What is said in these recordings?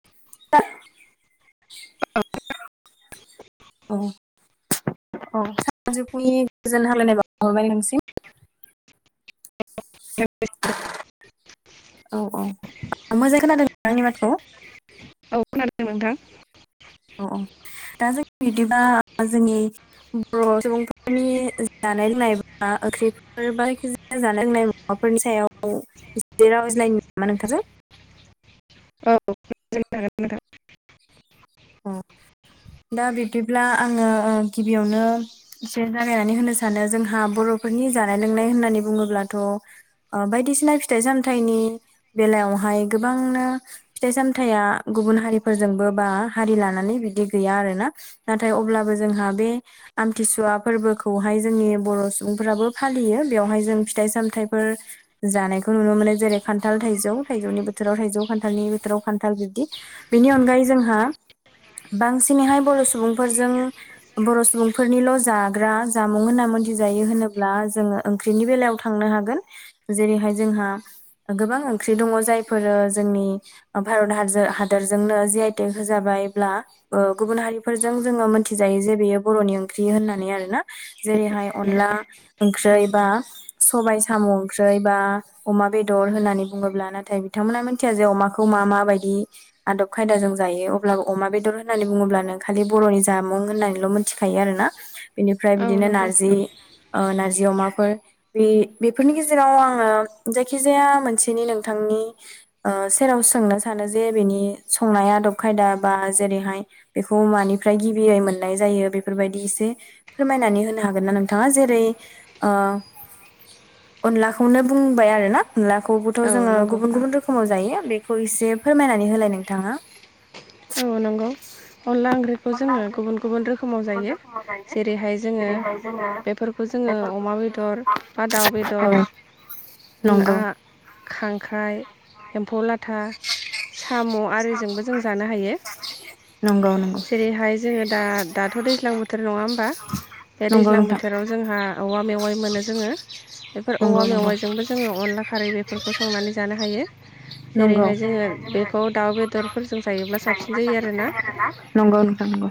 [inaudible] [inaudible] औ औ सानजौफुनि गोजोन होलायनाय बाउहरबाय नोंनिसिम। [inaudible] [inaudible] औ औ मोजां खोनादों आंनि माथखौ? [inaudible] औ खोनादों ना नोंथां? औ औ दा जों बिदिबा जोंनि बर' सुबुंफोरनि जानाय लोंनाय बा ओंख्रि आरो बायखिजाया जानाय लोंनाय माबाफोरनि सायाव एसे रायज्लायनो नामा नोंथांजों? औ [unintelligible] जागोन नोंथां। [inaudible] औ दा बिब्दिब्ला आङो गिबियावनो‍ एसे जागायनानै होनो सानो जोंहा बर'फोरनि जानाय लोंनाय होननानै बुङोब्लाथ' ओ बायदिसिना फिथाइ सामथाइनि बेलायावहाय गोबांनो फिथाइ सामथाइया गुबुन हारिफोरजोंबो बा हारि लानानै बिदि गैया आरोना नाथाय अब्लाबो जोंहा बे आमथिसुवा फोरबोखौहाय जोंनि बर' सुबुंफ्राबो फालियो। बेवहाय जों फिथाइ सामथाइफोर जानायखौ नुनो मोनो। जेरै खान्थाल, थाइजौ, थाइजौनि बोथोराव थाइजौ, खान्थालनि बोथोराव खान्थाल बिब्दि। बेनि अनगायै जोंहा बांसिनैहाय बर' सुबुंफोरजों बर' सुबुंफोरनिल' जाग्रा जामुं होनना मोनथिजायो होनोब्ला जोङो ओंख्रिनि बेलायाव थांनो हागोन। जेरैहाय जोंहा गोबां ओंख्रि दङ जायफोरो जोंनि भारत हागजो-हादोरजोंनो जि आइ टेग होजाबायब्ला ओ गुबुन हारिफोरजों जोङो मोनथिजायो जे बेयो बर'नि ओंख्रि होननानै आरो ना। जेरैहाय अनला नंगौ ओंख्रै बा, सबाय साम' ओंख्रै बा अमा बेदर होननानै बुङोब्ला नाथाय बिथांमोना मिथिया जे अमाखौ मा माबायदि आदब खायदा जों जायो अब्लाबो अमा बेदर होननानै बुङोब्ला नों खालि बर'नि जामुं होननानैल' मिथिखायो आरोना। बिनिफ्राय औ बिदिनो नंगौ नारजि, ओ नार्जि अमाफोर बे बेफोरनि गेजेराव आङो जायखिजाया मोनसेनि नोंथांनि ओ सेराव सोंनो सानो जे बिनि संनाय आदब खायदा बा जेरैहाय बेखौ मानिफ्राय गिबियै मोननाय जायो बेफोरबायदि एसे फोरमायनानै होनो हागोन ना नोंथाङा जेरै ओ अनलाखौनो बुंबाय आरो ना। अनलाखौबोथ' औ जोङो नंगौ गुबुन गुबुन रोखोमाव जायो बेखौ एसे फोरमायनानै होलाय नोंथाङा। औ नंगौ। अनला ओंख्रि खौ जोङो गुबुन गुबुन रोखोमाव जायो। जेरैहाय जोङो बेफोर खौ जोङो अमा बेदर बा दाउ औ बेदर, ना नंगौ खांख्राइ, एम्फौ लाथा, साम' आरिजोंबो जों जानो हायो। नंगौ नंगौ जेरैहाय जोङो दा दाथ' दैज्लां बोथोर नङा होमबा बे नंगौ दैज्लां नोंथां बोथोराव जोंहा औवा मेवाइ मोनो जोङो। बेफोर औवा नंगौ नंगौ मेवाइजोंबो जोङो अनला खारै बेफोरखौ संनानै जानो हायो। नंगौ जेरैहाय जोङो बेखौ दाउ बेदरफोर [unintelligible] नंगौ नोंथां नंगौ।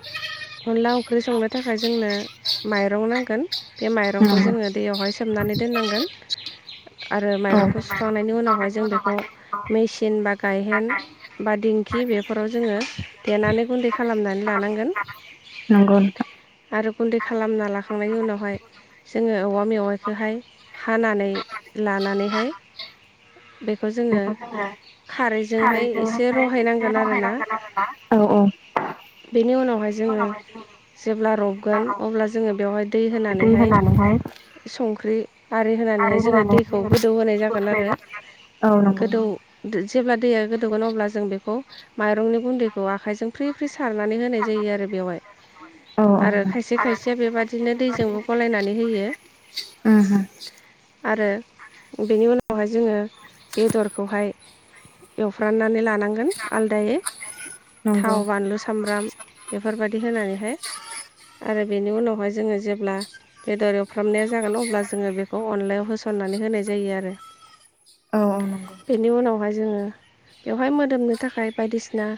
अनला अंख्रै संनो थाखाय जोंनो माइरं नांगोन बे माइरंखौ जोङो दैयावहाय सो सोमनानै दोननांगोन आरो औ माइरंखौ सुखांनायनि उनावहाय जों बेखौ मेसिन बा गायहेन बा दिं खि बेफोराव जोङो देनानै गुन्दै खालामनानै लानांगोन। नंगौ नोंथां आरो गुन्दै खालामना लाखांनायनि उनावहाय जोङो औवा मेवाइखौहाय हानानै लानानैहाय बेखौ जोङो खारैजोंहाय एसे रहायनांगौ औ औ बेनि उनावहाय जोङो जेब्ला रबगोन अब्ला जोङो बेवहाय दै होनानैहाय संख्रि आरि होनानैहाय जोङो दैखौ गोदौ होनाय जागोन आरो औ नंगौ गोदौ जेब्ला दैया गोदौगोन अब्ला जों बेखौ माइरंनि गुन्दैखौ आखाइजों फ्रि फ्रि सारनानै होनाय जायो आरो बेवहाय औ औ आरो नंगौ खायसे खायसेया बेबादिनो दैजोंबो गलायनानै होयो। उम उम आरो बेनि उनावहाय जोङो बेदरखौहाय एवफ्राननानै लानांगोन आलदायै नंगौ थाव बानलु सामब्राम बेफोर बायदि होनानैहाय आरो बेनि उनावहाय जोङो जेब्ला बेदर एवफ्रामनाया जागोन अब्ला जोङो बेखौ अनलायाव होसननानै होनाय जायो आरो औ औ नंगौ बेनि उनावहाय जोङो बेवहाय मोदोमनो थाखाय बायदिसिना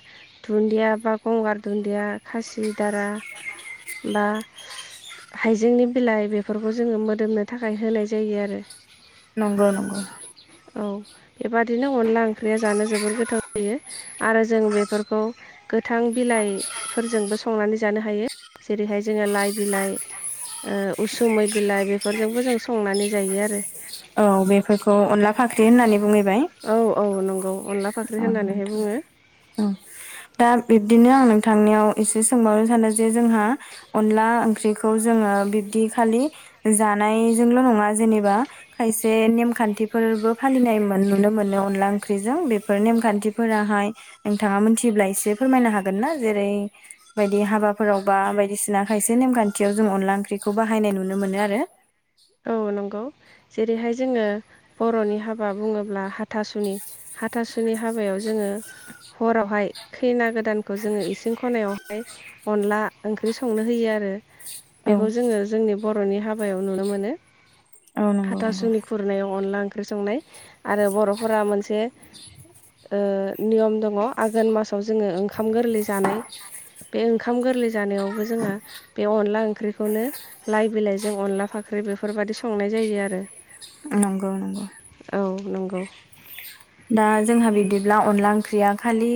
दुन्दिया बा गंगार दुन्दिया खासि दारा बा हाइजेंनि बिलाइ बेफोरखौ जोङो मोदोमनो थाखाय होनाय जायो आरो नंगौ नंगौ औ बेबादिनो अनला ओंख्रिया जानो जोबोर गोथाव जायो आरो जों बेफोरखौ गोथां बिलाइफोरजोंबो स संनानै जानो हायो जेरैहाय जोङो लाइ बिलाइ उसुमै बिलाइ बेफोरजोंबो जों संनानै जायो आरो औ बेफोरखौ अनला फाख्रि होननानै बुंहैबाय औ औ नंगौ अनला फाख्रि औ होननानैहाय नोंथां बुङो दा बिब्दिनो आं नोंथांनियाव एसे सोंबावनो सानो जे जोंहा अनला ओंख्रिखौ जोङो बिब्दि खालि जानायजोंल' नङा जेनेबा खायसे नेमखान्थिफोरबो फालिनाय नुनो मोनो अनला ओंख्रिजों बेफोर नेमखान्थिफोराहाय नोंथाङा मोनथियोब्ला एसे फोरमायनो हागोन ना जेरै बायदि हाबाफोराव बा बायदिसिना खायसे नेमखान्थियाव जों अनला ओंख्रिखौ बाहायनाय नुनो मोनो आरो औ नंगौ जेरैहाय जोङो बर'नि हाबा बुङोब्ला हाथासुनि हाथासुनि हाबायाव जोङो हरावहाय खैना गोदानखौ जोङो इसिं खनायावहाय अनला ओंख्रि संनो होयो आरो बेखौ औ जोङो जोंनि बर'नि हाबायाव नुनो मोनो औ नंगौ नंगौ हाथासुनि खुरनायाव अनला ओंख्रि संनाय आरो बर'फोरा मोनसे नियम दङ आघोन मासाव जोङो ओंखाम गोरलै जानाय बे ओंखाम गोरलै जानायावबो जोंहा बे अनला ओंख्रिखौनो लाइ बिलाइजों अनला फाख्रि बे बेफोरबायदि संनाय जायो आरो नंगौ नंगौ औ नंगौ दा जोंहा बिदिब्ला अनला ओंख्रिया खालि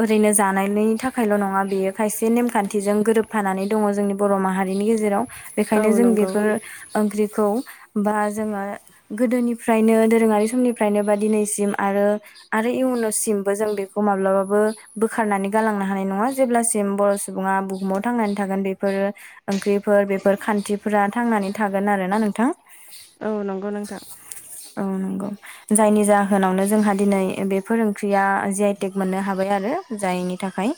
ओरैनो जानायनि थाखायल' नङा बेयो खायसे नेमखान्थिजों गोरोबफानानै दङ जोंनि बर' माहारिनि गेजेराव औ बेखायनो जों नंगौ बेफोर ओंख्रिखौ बा जोङो गोदोनिफ्रायनो दोरोङारि समनिफ्रायनो बा दिनैसिम आरो आरो इयुनावसिमबो जों बेखौ माब्लाबाबो बोखारनानै गालांनो हानाय नङा जेब्लासिम बर' सुबुङा बुहुमाव थांनानै थागोन बेफोरो ओंख्रिफोर बेफोर खान्थिफोरा थांनानै थागोन आरोना नोंथां औ नंगौ नोंथां औ नंगौ जायनि जाहोनावनो जोंहा दिनै बेफोर ओंख्रिया ज आइटेक मोननो हाबाय आरो जायनि थाखाय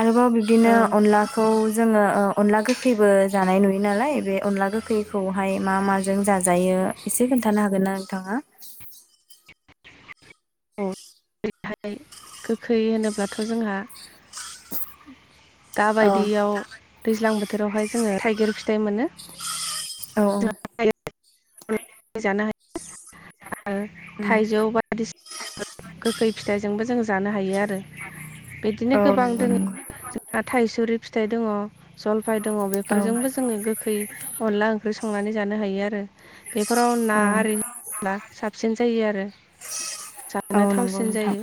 आरोबाव बिदिनो औ अनला खौ जोङो अनला गोखैबो जानाय नुयो नालाय बे अनला गोखैखौ महाय मा माजों जाजायो एसे खोन्थानो हागोन ना नोंथाङा ओैहाय गोखै होनोब्लाथ' जोंहा औ दााबायदियाव दैज्लां बोथोरावहाय जोङो थाइगिर फिथाइ मोनो अ अ ह उम थाइजौ बा बायदिसिना गोखै फिथाइजोंबो जों जानो हायो आरो आरो बिदिनो औ गोबां नंगौ दङ नंगौ जोंहा थाइसुरि फिथाइ दङ जलफाय दङ औ बेफोरजोंबो जोङो गो खै अनला ओंख्रि संनानै जानो हायो आरो बेफोराव ना औ आरि बा साबसिन जायो आरो जानो औ नंगौ थावसिन नोंथां जायो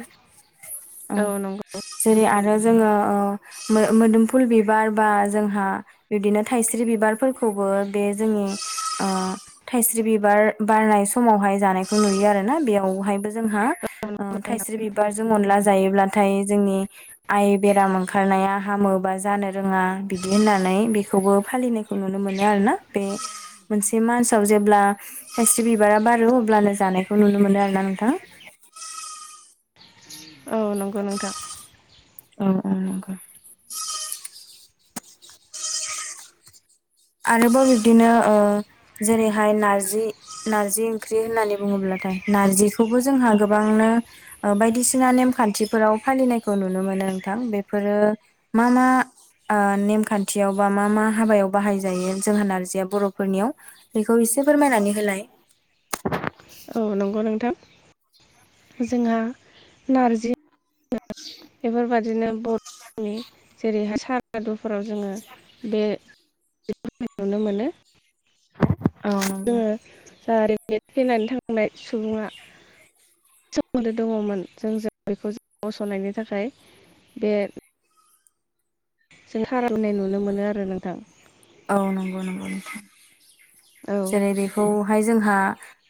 औ नंगौ जेरै आरो जोङो ओ मोदोमफुल बिबार बा जोंहा बिब्दिनो थाइस्रि बिबारफोरखौबो बे जोंनि ओ थाइस्रि बिबार बारनाय समावहाय जानायखौ नुयो आरोना बेयावहायबो जोंहा नंगौ नोंथां, थाइस्रि बिबारजों अनला जायोब्लाथाय जोंनि आइ बेराम ओंखारनाया हामोबा जानो रोङा बिदि होननानै बेखौबो फालिनाय नुनो मोनो आरोना बे मोनसे मानासाव जेब्ला खायस्रि बिबारा बारो अब्लानो जानायखौ नुनो मोनो आरो ना नोंथाङा औ नंगौ नोंथां औ औ नंगौ आरोबाव बिब्दिनो ओ जेरैहाय नारजि नारजि ओंख्रि होननानै बुङोब्लाथाय नारजिखौबो जोंहा गोबांनो बायदिसिना नेमखान्थिफोराव फालिनायखौ नुनो मोनो नोंथां बेफोरो मा मा ओ नेमखान्थियाव बा मा मा हाबायाव बाहायजायो जोंहा नारजिया बर'फोरनियाव बेखौ एसे फोरमायनानै होलाय औ नंगौ नोंथां जोंहा नारजि [unintelligible] एबार बिदिनो बर'नि जेरैहाय सारादुफोराव जोङो बे ज नुनो मोनो औ नंगौ जोङो जा रे थैनानै थांनाय सुबुङा सोमोन्दो दङमोन जोंजों बेखौ ज गसनायनि थाखाय बे जों खारनाय नुनो मोनो आरो नोंथां औ नंगौ नंगौ नोंथां औ जेरै बेखौहाय जोंहा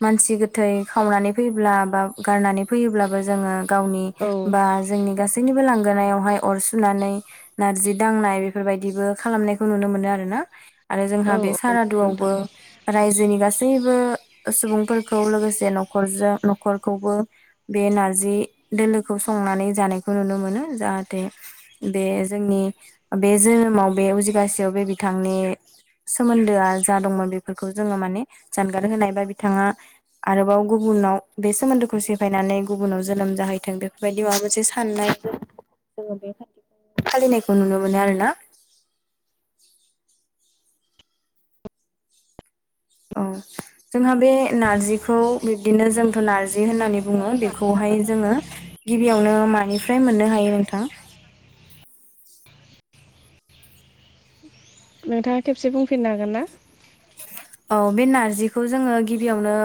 मानसि गोथै खावनानै फैयोब्ला बा गारनानै फैयोब्लाबो जोङो गावनि औ बा जोंनि गासैनि बो लांगोनायावहाय अर सुनानै नारजि दांनाय बेफोरबायदिबो खालामनायखौ नुनो मोनो आरो ना। आरो औ जोंहा बे औ सारादुआवबो नोंथां रायजोनि गासैबो सुबुंफोरखौ लोगोसे न'खरजों न'खरखौबो बे नारजि दोलोखौ संनानै जानायखौ नुनो मोनो जाहाथे बे जोंनि बे जोनोमाव बे उजिबासियाव बे बिथां बिथांनि सोमोन्दोआ जा दंमोन बेफोरखौ जोङो माने जानगार होनाय बा बिथाङा आरोबाव गुबुनाव बे सोमोन्दोखौ सिफायनानै गुबुनाव जोनोम जाहैथों बेफोरबायदि माबा मोनसे साननाय [inaudible] जोङो बे खान्थिखौ फालिनायखौ नुनो मोनो आरो ना औ जोंहा बे नारजिखौ बिब्दिनो जोंथ' नारजि होननानै बुङो बेखौहाय जोङो गिबियावनो मानिफ्राय मोननो हायो नोंथां? नोंथाङा खेबसे बुंफिननो हागोन ना? औ बे नारजिखौ जोङो गिबियावनो